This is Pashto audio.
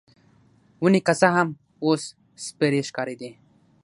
ونې که څه هم، اوس سپیرې ښکارېدې.